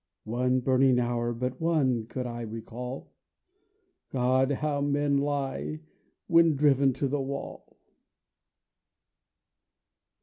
(One burning hour, but one, could I recall; God, how men lie when driven to the wall!)